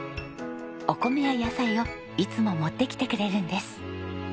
お米や野菜をいつも持ってきてくれるんです。